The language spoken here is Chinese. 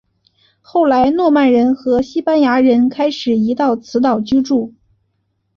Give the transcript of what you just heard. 后来诺曼人和西班牙人开始移到此岛居住。